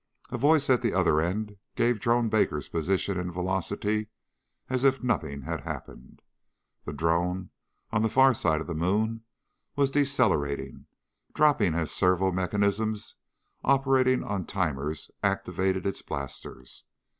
A voice at the other end gave Drone Baker's position and velocity as if nothing had happened. The drone, on the far side of the moon, was decelerating, dropping as servo mechanisms operating on timers activated its blasters.